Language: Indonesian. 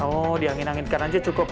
oh di angin anginkan aja cukup ya